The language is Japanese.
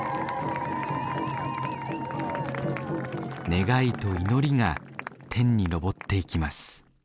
願いと祈りが天に昇っていきます。